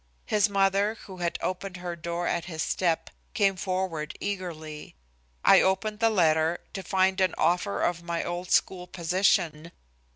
His mother, who had opened her door at his step, came forward eagerly. I opened the letter, to find an offer of my old school position.